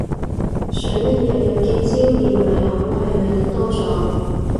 想一日由結焦變埋口係咪諗多咗